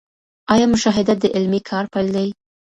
آيا مشاهده د علمي کار پيل دی؟